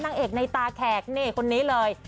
นางเอกในตาแขกนี่คนนี้เลย